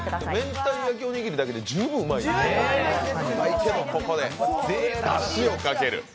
めんたい焼きおにぎりだけで十分うまいけど、ここでだしをかける。